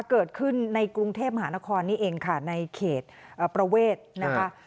เกิดขึ้นในกรุงเทพมหานครนี่เองค่ะในเขตประเวทนะคะ